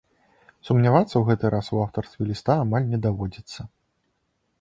Сумнявацца ў гэты раз у аўтарстве ліста амаль не даводзіцца.